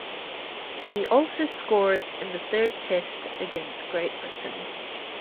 He also scored in the third test against Great Britain.